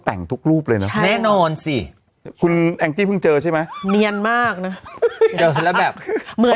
แต่งทุกรูปเลยนะแน่นอนสิอังสีพึ่งเจอใช่ไหมเมียมากนะเจอแล้วแบบเมื่อ